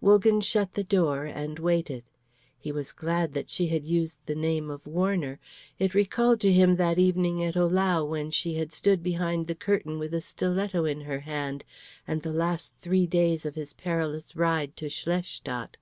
Wogan shut the door and waited. He was glad that she had used the name of Warner. It recalled to him that evening at Ohlau when she had stood behind the curtain with a stiletto in her hand, and the three last days of his perilous ride to Schlestadt.